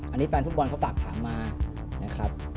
อันนี้แฟนฟุตบอลเขาก็ฝากถามมา